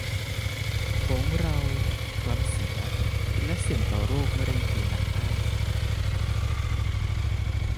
ของเราคล้ำเสียและเสี่ยงต่อโรคมะเร็งผิวหนังได้